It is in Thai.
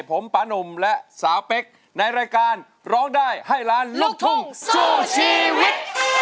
ผมปานุ่มและสาวเป๊กในรายการร้องได้ให้ล้านลูกทุ่งสู้ชีวิต